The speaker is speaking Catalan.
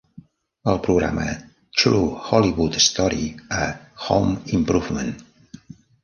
El programa "True Hollywood Story" a "Home Improvement".